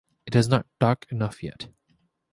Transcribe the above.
It is not dark enough yet.